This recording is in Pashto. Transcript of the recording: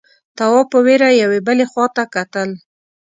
تواب په وېره يوې بلې خواته کتل…